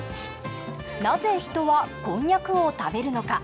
なぜ人はこんにゃくを食べるのか？